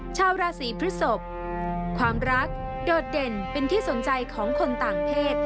ชาวราศีพฤศพความรักโดดเด่นเป็นที่สนใจของคนต่างเพศ